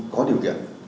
có điều kiện